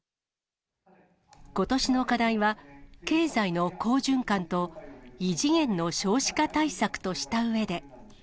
ことしの課題は、経済の好循環と異次元の少子化対策としたうえで。